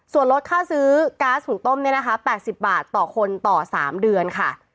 ส่วนลดค่าซื้อก๊าซหุงต้มเนี่ยนะคะ๘๐บาทต่อคนต่อ๓เดือนค่ะ